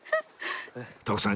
徳さん